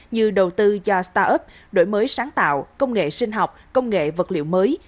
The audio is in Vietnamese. như đầu tư cho start up đổi mới sáng tạo công nghệ sinh học công nghệ vật liệu mới